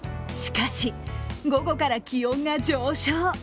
しかし、午後から気温が上昇。